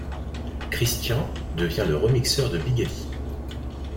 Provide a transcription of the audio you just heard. Christian devient le remixeur de Big Ali.